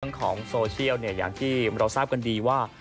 เรื่องของโซเชียลอย่างที่เราทราบกันดีว่า